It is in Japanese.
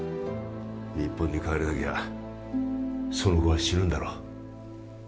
日本に帰れなきゃその子は死ぬんだろ？